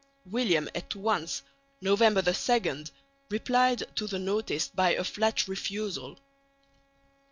William at once (November 2) replied to the notice by a flat refusal.